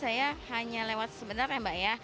sebenarnya tadi saya hanya lewat sebentar ya mbak ya